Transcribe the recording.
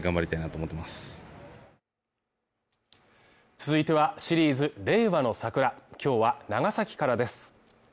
続いては、シリーズ「令和のサクラ」今日は長崎からです。